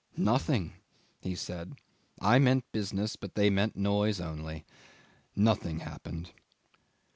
"Nothing," he said. "I meant business, but they meant noise only. Nothing happened."